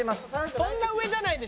そんな上じゃないでしょ？